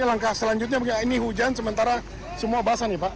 langkah selanjutnya mungkin ini hujan sementara semua basah nih pak